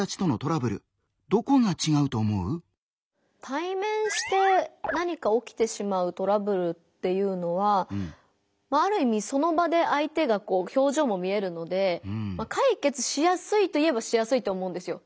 対面して何か起きてしまうトラブルっていうのはまあある意味その場で相手がこう表情も見えるので解決しやすいといえばしやすいと思うんですよ。